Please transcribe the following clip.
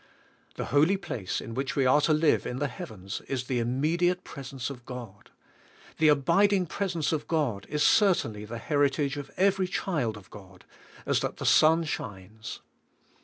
The holy place in which we are to live in the heavens is the immediate presence of God. The abiding presence of God is cer tainly the heritage of every child of God, as that the sun shines.